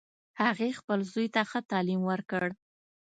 هغې خپل زوی ته ښه تعلیم ورکړ